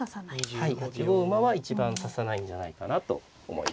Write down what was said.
はい８五馬は一番指さないんじゃないかなと思います。